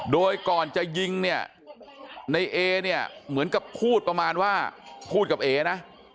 โดยก่อนจะยิงเนี่ยในเอเนี่ยเหมือนกับพูดประมาณว่าพูดกับเอนะ